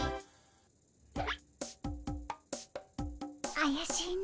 あやしいね。